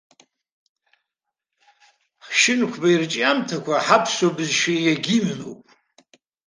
Шьынқәба ирҽиамҭақәа ҳаԥсуа бызшәа иагимнуп.